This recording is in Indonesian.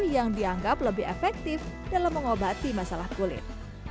yang dianggap lebih efektif dalam mengobati masalah kulit